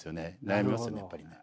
悩みますよねやっぱりね。